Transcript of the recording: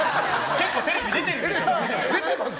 結構テレビ出てるでしょ！